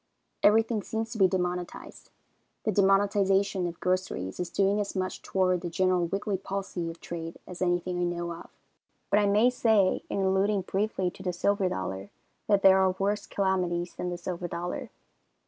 Everything seems to be demonetized. The demonetization of groceries is doing as much toward the general wiggly palsy of trade as anything I know of. But I may say, in alluding briefly to the silver dollar, that there are worse calamities than the silver dollar.